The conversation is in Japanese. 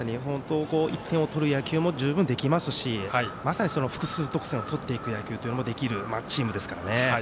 １点を取る野球も十分できますし複数得点を取っていく野球もできるチームですからね。